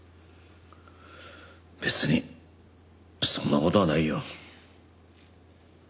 別にそんな事はないよ。